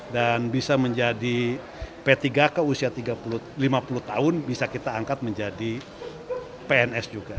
dan bisa menjadi p tiga k usia lima puluh tahun bisa kita angkat menjadi pns juga